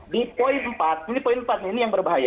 di poin empat ini poin empat nih ini yang berbahaya